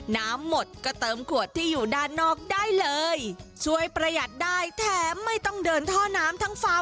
น้ำหมดก็เติมขวดที่อยู่ด้านนอกได้เลยช่วยประหยัดได้แถมไม่ต้องเดินท่อน้ำทั้งฟาร์